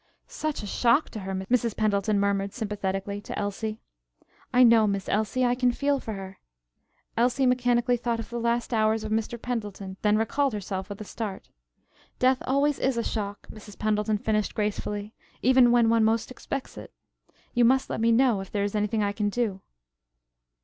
"Such a shock to her," Mrs. Pendleton murmured, sympathetically, to Elsie. "I know, Miss Elsie; I can feel for her " Elsie mechanically thought of the last hours of Mr. Pendleton, then recalled herself with a start. "Death always is a shock," Mrs. Pendleton finished gracefully, "even when one most expects it. You must let me know if there is anything I can do."